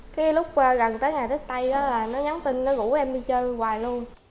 cái lúc gần tới ngày tết tây đó là nó nhắn tin nó gửi em đi chơi hoài luôn